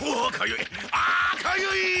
あかゆい！